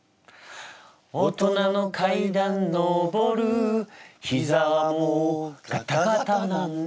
大人の階段のぼる膝はもうガタガタなんだ。